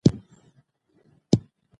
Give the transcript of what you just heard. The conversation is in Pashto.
د میراث برخه د ښځې لپاره ټاکل شوې ده.